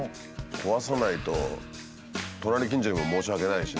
壊さないと隣近所にも申し訳ないしね。